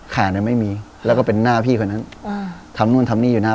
ขาก๕๕๐แล้วก็เป็นหน้าพี่คนนั่นอ่าอ๋อต้องนู่นทำนี่อยู่หน้า